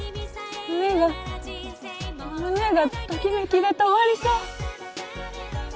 胸が胸がときめきで止まりそう！